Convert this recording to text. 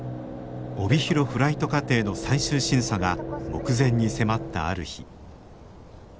帯広フライト課程の最終審査が目前に迫ったある日。